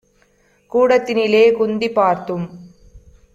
கூடத் தினிலே குந்திப் பார்த்தும்